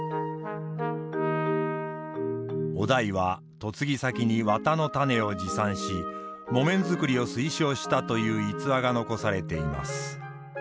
於大は嫁ぎ先に綿の種を持参し木綿作りを推奨したという逸話が残されています。